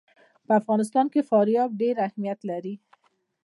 په افغانستان کې فاریاب ډېر اهمیت لري.